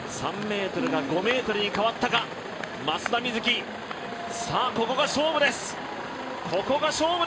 ３ｍが５ｍに変わったか松田瑞生、ここが勝負です。